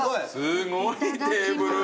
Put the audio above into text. すごいテーブル。